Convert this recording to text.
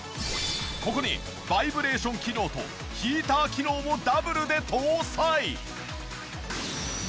ここにバイブレーション機能とヒーター機能をダブルで搭載！